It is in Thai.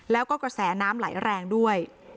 แล้วก็กระแสน้ำไหลแรงด้วย